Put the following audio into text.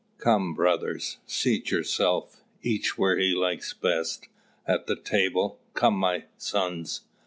"Come, brothers, seat yourselves, each where he likes best, at the table; come, my sons.